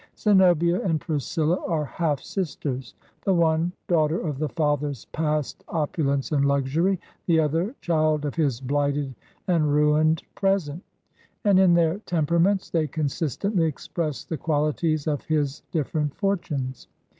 Zenobia and Priscilla are half sisters; the one, daughter of the father's past opulence and luxury; the other, child of his blighted and ruined present; and in their temperaments they consistently express the qualities of his different fortunes.